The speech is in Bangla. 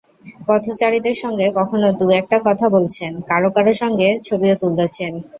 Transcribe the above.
পথচারীদের সঙ্গে কখনো দু-একটা কথা বলছেন, কারও কারও সঙ্গে ছবিও তুলেছেন।